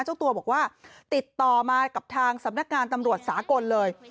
เจ้าตัวบอกว่าติดต่อมากับทางสำนักงานตำรวจสากลเลย